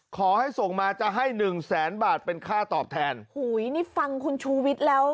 ขอให้ส่งมาจะให้หนึ่งแสนบาทเป็นค่าตอบแทนอุ้ยนี่ฟังคุณชูวิทย์แล้ว